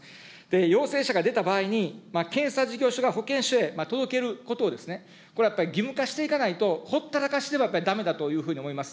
陽性者が出た場合に検査事業所が保健所へ届けることをですね、これやっぱり義務化していかないと、ほったらかしではやっぱり、だめだというふうに思います。